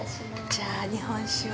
じゃあ日本酒を。